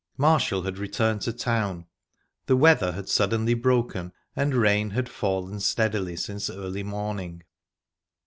Marshall had returned to town. The weather had suddenly broken, and rain had fallen steadily since early morning.